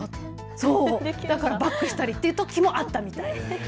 だからバックしたりというときもあったみたい。